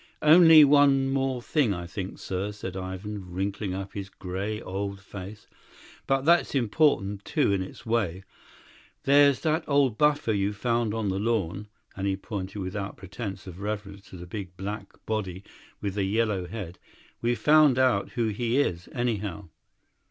"Only one more thing, I think, sir," said Ivan, wrinkling up his grey old face, "but that's important, too, in its way. There's that old buffer you found on the lawn," and he pointed without pretence of reverence at the big black body with the yellow head. "We've found out who he is, anyhow."